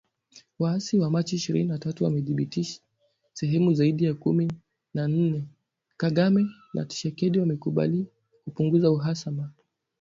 Waasi wa Machi ishirini na tatu wamedhibithi sehemu zaidi ya kumi na ine, Kagame na Tshisekedi wamekubali kupunguza uhasama